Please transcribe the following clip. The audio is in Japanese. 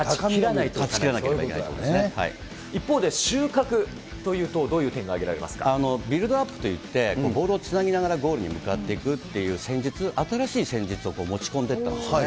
勝ちきらなければいけないと一方で、収穫というと、ビルドアップといって、ボールをつなぎながらゴールに向かっていくっていう戦術、新しい戦術を持ち込んでったんですね。